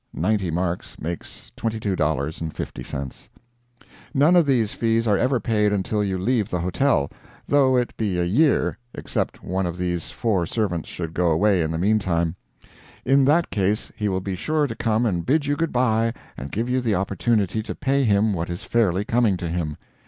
Ninety marks make $22.50. None of these fees are ever paid until you leave the hotel, though it be a year except one of these four servants should go away in the mean time; in that case he will be sure to come and bid you good by and give you the opportunity to pay him what is fairly coming to him.